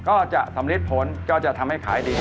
ก็จะสำลิดผลก็จะทำให้ขายดี